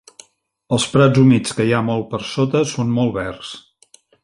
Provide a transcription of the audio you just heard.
Els prats humits que hi ha molt per sota són molt verds.